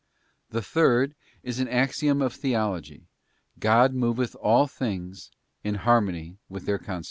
t The third is an axiom of Theology, God moveth all things in harmony with their constitution.